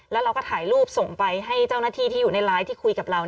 แล้วเราก็ถ่ายรูปส่งไปให้เจ้าหน้าที่ที่อยู่ในไลฟ์ที่คุยกับเรา